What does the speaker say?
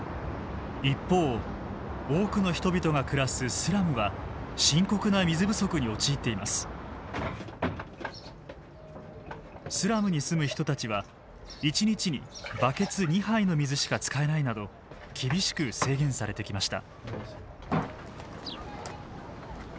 スラムに住む人たちは１日にバケツ２杯の水しか使えないなど厳しく制限されてきました。